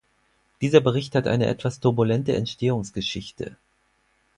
Dieser Bericht hat eine etwas turbulente Entstehungsgeschichte.